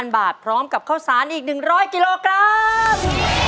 บาทพร้อมกับข้าวสารอีก๑๐๐กิโลกรัม